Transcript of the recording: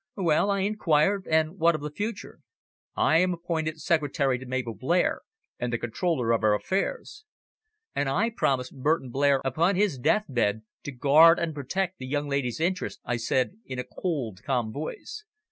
"Well?" I inquired, "and what of the future?" "I am appointed secretary to Mabel Blair, and the controller of her affairs." "And I promised Burton Blair upon his deathbed to guard and protect the young lady's interests," I said, in a cold, calm voice.